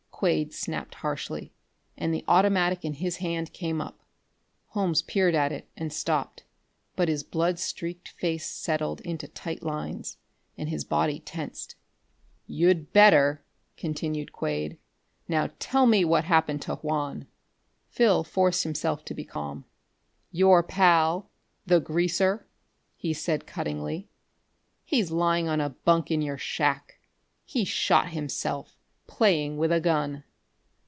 Quade snapped harshly, and the automatic in his hand came up. Holmes peered at it and stopped, but his blood streaked face settled into tight lines, and his body tensed. "You'd better," continued Quade. "Now tell me what happened to Juan." Phil forced himself to be calm. "Your pal, the greaser?" he said cuttingly. "He's lying on a bunk in your shack. He shot himself, playing with a gun."